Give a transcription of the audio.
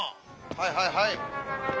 はいはいはい。